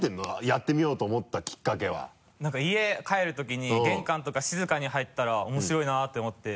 やってみようと思ったきっかけは何か家帰るときに玄関とか静かに入ったら面白いなって思って。